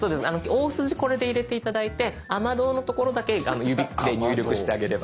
大筋これで入れて頂いて「雨どう」の所だけ指で入力してあげれば。